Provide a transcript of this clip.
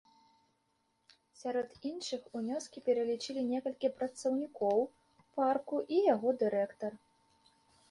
Сярод іншых, унёскі пералічылі некалькі працаўнікоў парку і яго дырэктар.